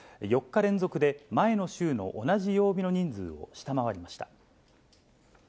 ４日連続で前の週の同じ曜日の人数を下回りました。